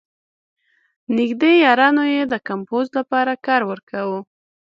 نېږدې یارانو یې د کمپوز لپاره کار ورکاوه.